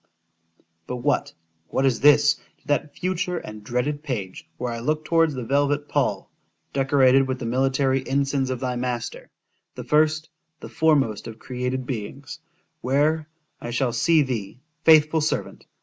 _ ——But what——what is this, to that future and dreaded page, where I look towards the velvet pall, decorated with the military ensigns of thy master—the first—the foremost of created beings;——where, I shall see thee, faithful servant!